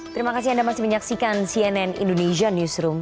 terima kasih anda masih menyaksikan cnn indonesia newsroom